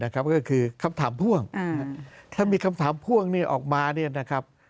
ก็คือคำถามพ่วงถ้ามีคำถามพ่วงออกมา